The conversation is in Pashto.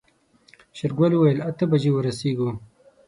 شېرګل وويل اته بجې ورسيږو.